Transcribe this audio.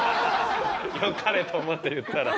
良かれと思って言ったら。